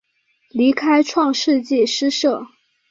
离开创世纪诗社。